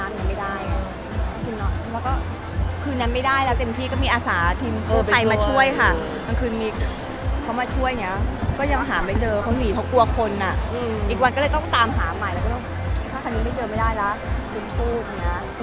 อเรนนี่ทำแม่อะไรดีคะเหมือนกับแม่เหมือนหนุ่ม